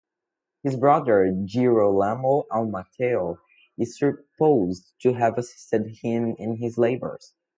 His brother Girolamo Amalteo is supposed to have assisted him in his labors.